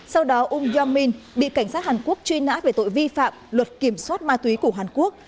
sau đó um jong min bị cảnh sát hàn quốc truy nã về tội vi phạm luật kiểm soát ma túy của hàn quốc